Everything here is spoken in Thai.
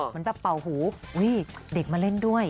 เหมือนแบบเป่าหูอุ้ยเด็กมาเล่นด้วย